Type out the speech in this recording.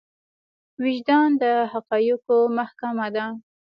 وجدان د حقايقو محکمه ده.